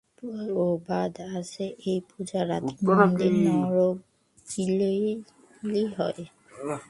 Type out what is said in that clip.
প্রবাদ আছে, এই পূজার রাত্রে মন্দিরে নরবলি হয়।